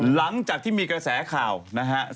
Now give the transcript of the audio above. หลังจากที่มีกระแสข่าวนะฮะ